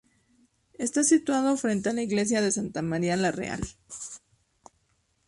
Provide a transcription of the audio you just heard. Está situado frente a la Iglesia de Santa María la Real.